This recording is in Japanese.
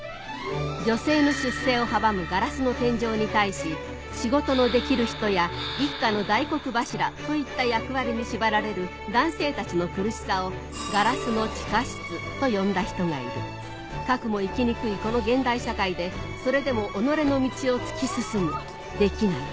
女性の出世を阻む「ガラスの天井」に対し仕事のできる人や一家の大黒柱といった役割に縛られる男性たちの苦しさを「ガラスの地下室」と呼んだ人がいるかくも生きにくいこの現代社会でそれでも己の道を突き進むデキない